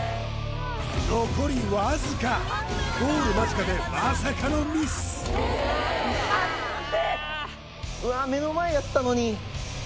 残りわずかゴール間近でまさかのミス何で！